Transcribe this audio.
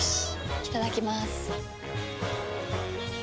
いただきまーす。